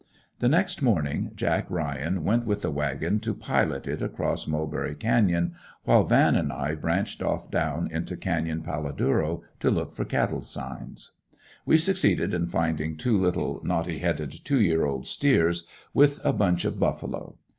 The next morning Jack Ryan went with the wagon to pilot it across Mulberry Canyon, while "Van" and I branched off down into Canyon Paladuro to look for cattle signs. We succeeded in finding two little knotty headed two year old steers with a bunch of buffalo.